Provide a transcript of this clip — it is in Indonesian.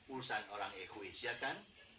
urusan orang egois ya kan